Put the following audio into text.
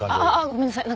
ごめんなさい。